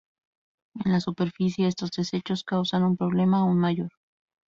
En la superficie estos desechos causan un problema aún mayor.